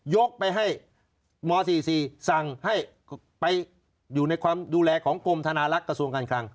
ไปให้ม๔๔สั่งให้ไปอยู่ในความดูแลของกรมธนาลักษ์กระทรวงการคลัง